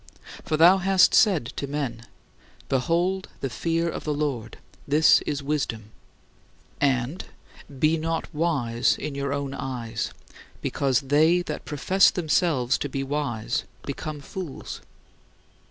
For thou hast said to men, "Behold the fear of the Lord, this is wisdom," and, "Be not wise in your own eyes," because "they that profess themselves to be wise become fools."